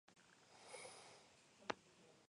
Se alimenta de insectos y semillas.